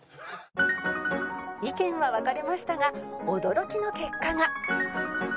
意見は分かれましたが驚きの結果が